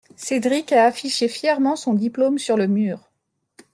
Cédric a affiché fièrement son diplôme sur le mur.